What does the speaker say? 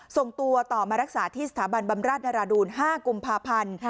ส่งตัวต่อมารักษาที่สถาบันบำราชนราดูล๕กุมภาพันธ์